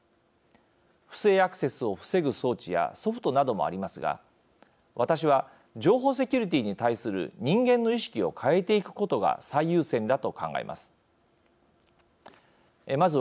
不正アクセスを防ぐ装置やソフトなどもありますが、私は情報セキュリティーに対する人間の意識を変えていくことが最優先だと考えます。